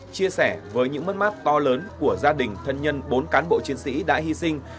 chia sẻ với những mất mát to lớn của gia đình thân nhân bốn cán bộ chiến sĩ đã hy sinh